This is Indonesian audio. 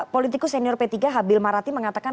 politikus senior p tiga habil marati mengatakan